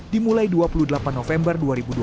dimulai dua puluh delapan november